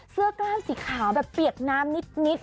กล้ามสีขาวแบบเปียกน้ำนิด